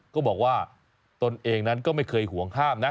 ก็บอกว่าตนเองนั้นก็ไม่เคยห่วงห้ามนะ